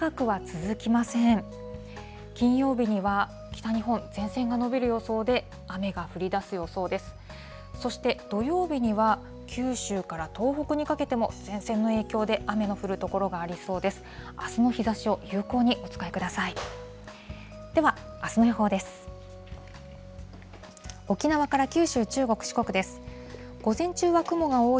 あすの日ざしを有効にお使いください。